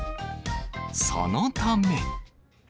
そのため。